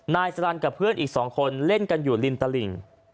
นายสลันกับเพื่อนอีก๒คนเล่นกันอยู่ริมตลิ่ง